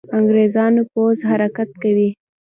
انګرېزانو پوځ حرکت کوي.